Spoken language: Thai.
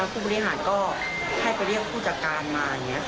แล้วจากนั้นแล้วจากนั้นเขาได้ติดต่อหรืออะไร